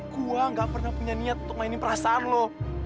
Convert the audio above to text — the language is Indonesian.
gue nggak pernah punya niat untuk mainin perasaan lo